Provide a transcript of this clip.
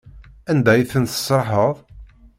Anda ay ten-tesraḥeḍ?